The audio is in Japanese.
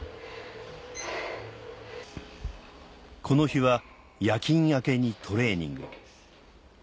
この日は夜勤明けにトレーニング